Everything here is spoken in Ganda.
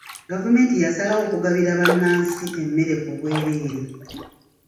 Gavumenti yasalawo okugabira bannansi emmere ku bwereere.